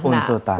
nah unsur tanah